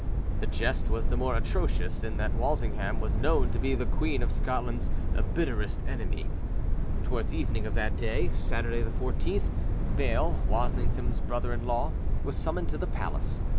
The jest was the more atrocious in that Walsingham was known to be the Queen of Scotland's bitterest enemy. Towards evening of that day, Saturday the 14th, Beale, Walsingham's brother in law, was summoned to the palace!